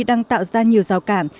đang tạo ra nhiều rào cản